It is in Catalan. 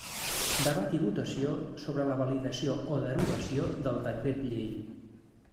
Debat i votació sobre la validació o derogació del decret llei.